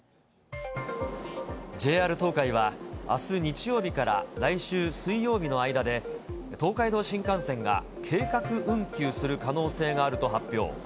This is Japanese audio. ＪＲ東海は、あす日曜日から来週水曜日の間で、東海道新幹線が計画運休する可能性があると発表。